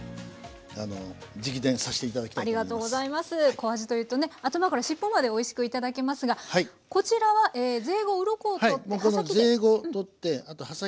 小あじというとね頭から尻尾までおいしくいただけますがこちらはゼイゴウロコを取って刃先で。